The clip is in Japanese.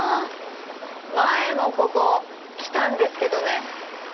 前もここ来たんですけどね。